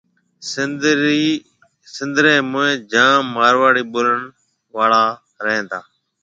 سندھ رَي مئين جام مارواڙي ٻولڻ اݪا رَي تا